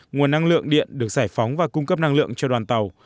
nguồn năng lượng điện được giải phóng và cung cấp năng lượng cho đoàn tàu